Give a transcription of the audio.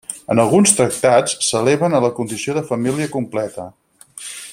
En alguns tractats, s'eleven a la condició de família completa.